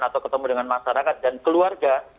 atau ketemu dengan masyarakat dan keluarga